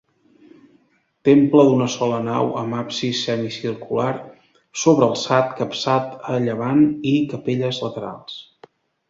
Temple d'una sola nau amb absis semicircular sobrealçat capçat a llevant i capelles laterals.